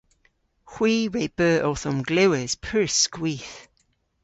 Hwi re beu owth omglewas pur skwith.